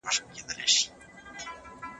راډیوګاني روغتیایي خپرونې ولي کوي؟